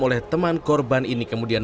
oleh teman korban ini kemudian